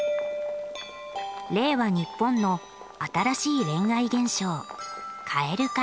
令和日本の新しい恋愛現象蛙化。